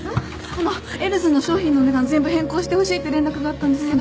あのエルズの商品の値段全部変更してほしいって連絡があったんですけど。